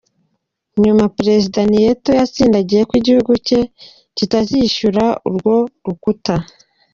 Nyuma perezida Nieto yatsindagiye ko igihugu cye kitazishyura urwo rukuta.